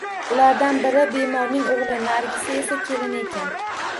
Ulardan biri bemorning o`g`li, narigisi esa, kelini ekan